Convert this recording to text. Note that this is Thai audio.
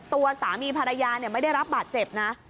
ตัวสามีภรรยาไม่ได้รับบาดเจ็บนะ